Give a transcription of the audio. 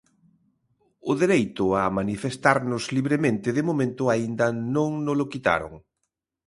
O dereito a manifestarnos libremente de momento aínda non nolo quitaron.